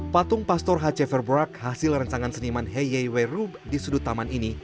patung pastor h c verbrack hasil rencangan seniman heyei werub di sudut taman ini